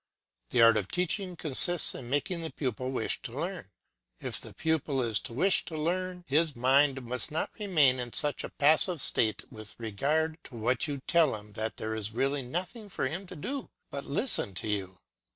The art of teaching consists in making the pupil wish to learn. But if the pupil is to wish to learn, his mind must not remain in such a passive state with regard to what you tell him that there is really nothing for him to do but listen to you.